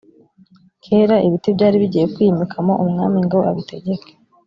kera ibiti byari bigiye kwiyimikamo umwami ngo abitegeke